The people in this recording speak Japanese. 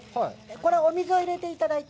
これ、お水を入れていただいて。